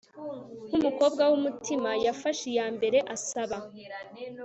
nkumukobwa wumutima yafashe iyambere asaba